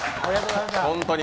本当に。